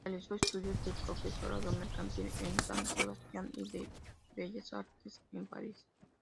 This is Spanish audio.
Realizó estudios de profesorado mercantil en San Sebastián y de Bellas Artes en París.